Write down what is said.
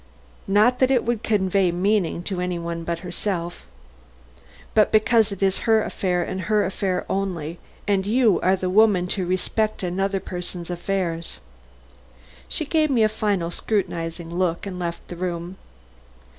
Not that it would convey meaning to anybody but herself, but because it is her affair and her affair only, and you are the woman to respect another person's affairs." She gave me a final scrutinizing look and left the room.